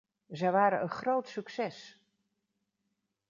Zij waren een groot succes!